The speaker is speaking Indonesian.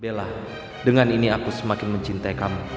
bella dengan ini aku semakin mencintai kamu